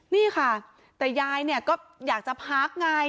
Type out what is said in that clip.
นี่ค่ะแต่ยายเนี่ยก็อยากจะพักไง